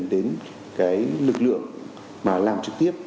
thông tin đó được truyền đến cái lực lượng mà làm trực tiếp